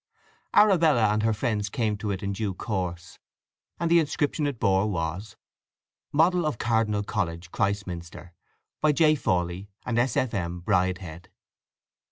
Arabella and her friends came to it in due course, and the inscription it bore was: "Model of Cardinal College, Christminster; by J. Fawley and S. F. M. Bridehead."